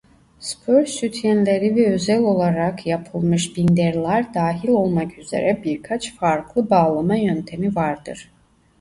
Spor sütyenleri ve özel olarak yapılmış "binder"lar dahil olmak üzere birkaç farklı bağlama yöntemi vardır.